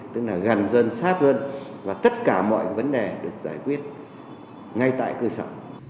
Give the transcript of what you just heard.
tức là gần dân sát dân và tất cả mọi vấn đề được giải quyết ngay tại cơ sở